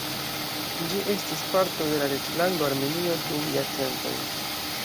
Ĝi estis parto de la Reĝlando Armenio dum jarcentoj.